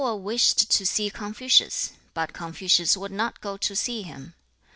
Yang Ho wished to see Confucius, but Confucius would not go to see him.